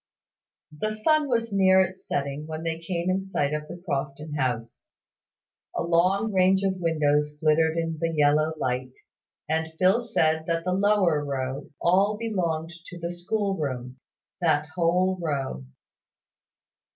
The sun was near its setting when they came in sight of the Crofton house. A long range of windows glittered in the yellow light, and Phil said that the lower row all belonged to the school room; that whole row.